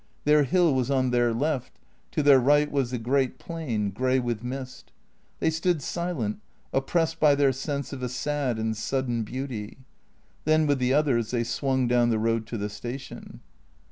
Their hill was on their left, to their right was the great plain, grey with mist. They stood silent, oppressed by their sense of a sad and sudden beauty. Then with the others they swung down the road to the station.